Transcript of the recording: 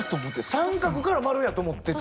三角から丸やと思ってた。